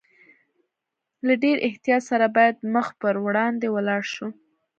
له ډېر احتیاط سره باید مخ پر وړاندې ولاړ شو.